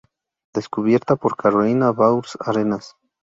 Descubierta por Carolina Baur Arenas.